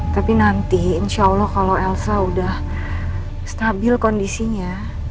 tapi nanti insya allah kalau elsa sudah stabil kondisinya